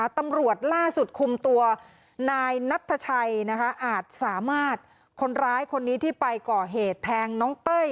ตำรวจล่าสุดคุมตัวนายนัทชัยอาจสามารถคนร้ายคนนี้ที่ไปก่อเหตุแทงน้องเต้ย